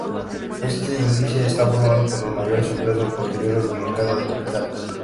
Este índice está formado por las mayores empresas portuguesas del mercado de capitales.